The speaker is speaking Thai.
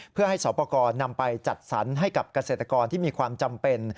เพื่อให้สอบประกอบนำไปจัดสรรให้กับเกษตรกรที่มีความจำเป็น